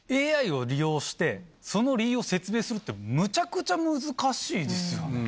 ＡＩを利用してその理由を説明するってむちゃくちゃ難しいですよね？